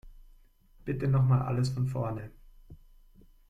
Bitte nochmal alles von vorne.